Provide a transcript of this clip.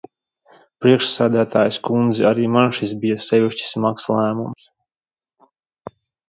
Priekšsēdētājas kundze, arī man šis bija sevišķi smags lēmums.